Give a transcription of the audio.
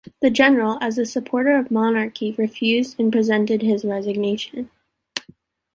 The General, as a supporter of monarchy, refused and presented his resignation.